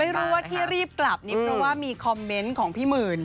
ไม่รู้ว่าที่รีบกลับนี่เพราะว่ามีคอมเมนต์ของพี่หมื่น